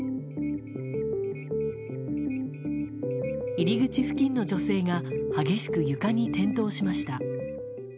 入り口付近の女性が激しく床に転倒しました。